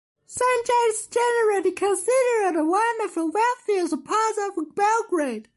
Senjak is generally considered one of the wealthiest parts of Belgrade.